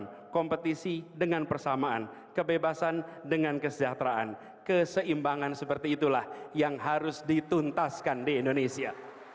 dengan kompetisi dengan persamaan kebebasan dengan kesejahteraan keseimbangan seperti itulah yang harus dituntaskan di indonesia